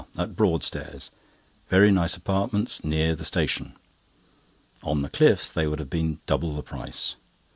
at Broadstairs. Very nice apartments near the station. On the cliffs they would have been double the price.